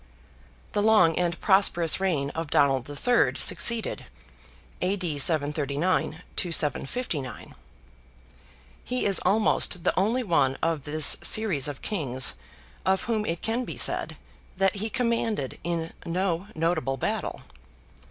The long and prosperous reign of Donald III. succeeded (A.D. 739 to 759). He is almost the only one of this series of Kings of whom it can be said that he commanded in no notable battle.